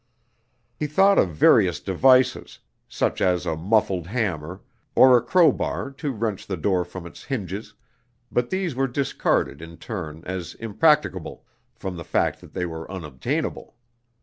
He thought of various devices, such as a muffled hammer, or a crowbar to wrench the door from its hinges, but these were discarded in turn as impracticable, from the fact that they were unobtainable.